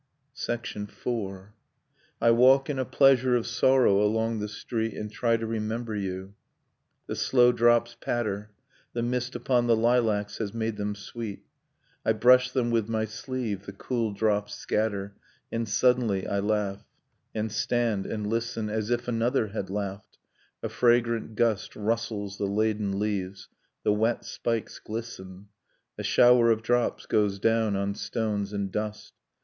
Nocturne of Remembered Spring IV. I walk in a pleasure of sorrow along the street And try to remember you ... the slow drops patter, The mist upon the lilacs has made them sweet, I brush them with my sleeve, the cool drops scatter, And suddenly I laugh. . .and stand and listen As if another had laughed. . .a fragrant gust Rustles the laden leaves, the wet spikes glisten, A shower of drops goes down on stones and dust.